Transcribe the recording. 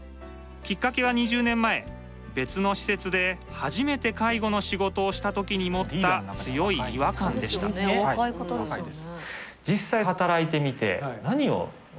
きっかけは２０年前別の施設で初めて介護の仕事をした時に持った強い違和感でしたとか言われて。